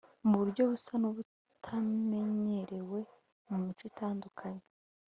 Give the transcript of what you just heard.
Mu buryo busa n’ubutamenyerewe mu mico itandukanye